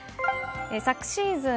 昨シーズン